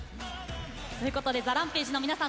ＴＨＥＲＡＭＰＡＧＥの皆さん